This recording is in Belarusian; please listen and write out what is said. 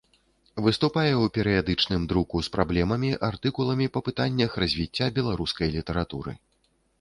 Выступае ў перыядычным друку з праблемамі артыкуламі па пытаннях развіцця беларускай літаратуры.